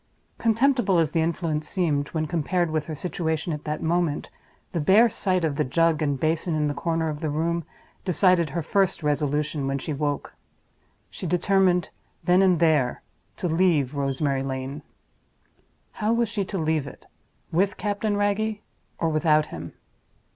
Contemptible as the influence seemed, when compared with her situation at that moment, the bare sight of the jug and basin in a corner of the room decided her first resolution when she woke. She determined, then and there, to leave Rosemary Lane. How was she to leave it? With Captain Wragge, or without him?